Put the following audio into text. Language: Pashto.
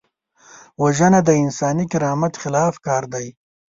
وژنه د انساني کرامت خلاف کار دی